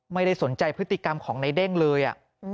ไม่ได้สนใจพฤติกรรมของในเด้งเลย